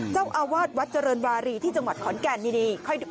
เจ้าอาวาสวัดเจริญวารีที่จังหวัดขอนแก่นนี่